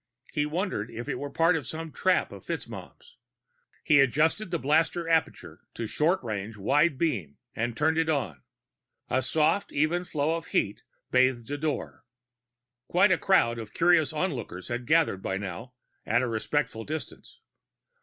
He wondered if it were part of some trap of FitzMaugham's. Well, he'd find out soon enough. He adjusted the blaster aperture to short range wide beam, and turned it on. A soft even flow of heat bathed the door. Quite a crowd of curious onlookers had gathered by now, at a respectful distance.